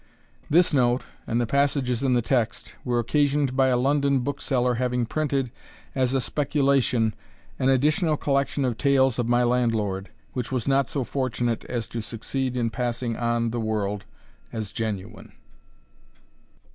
This note, and the passages in the text, were occasioned by a London bookseller having printed, as a Speculation, an additional collection of Tales of My Landlord, which was not so fortunate as to succeed in passing on the world as genuine.